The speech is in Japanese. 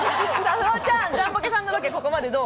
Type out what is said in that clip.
フワちゃん、ジャンポケさんのロケ、ここまでどう？